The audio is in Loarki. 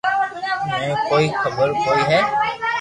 منن ڪوئي خبر ڪوئي ھي